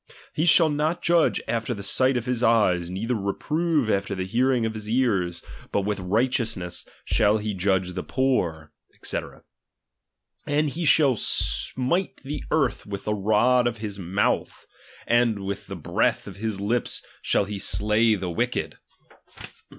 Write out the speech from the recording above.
He shall not judge after tlie sight of his eyes, neitlier reprove after the hearing of his ears ; but with righteous ness shall he judge the poor, &c. ; And he shall smite the earth with the rod of his mouth, and with the breath of his lips shall he slay the wicked.